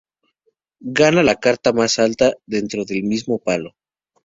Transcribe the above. Gana la carta más alta dentro del mismo palo.